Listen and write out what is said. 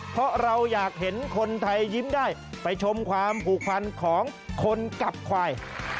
เพราะเราอยากเห็นคนไทยยิ้มได้ไปชมความผูกพันของคนกับควาย